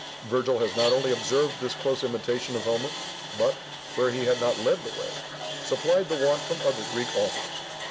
Virgil has not only observed this close imitation of Homer, but, where he had not led the way, supplied the want from other Greek authors.